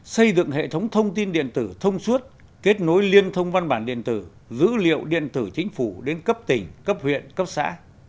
xây dựng hệ thống thông tin điện tử thông suốt kết nối liên thông văn bản điện tử dữ liệu điện tử chính phủ đến cấp tỉnh cấp huyện cấp xã